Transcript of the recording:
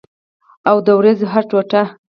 او د اوریځو هره ټوټه